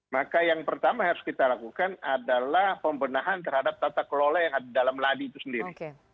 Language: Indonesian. maka yang pertama harus kita lakukan adalah pembenahan terhadap tata kelola yang ada di dalam ladi itu sendiri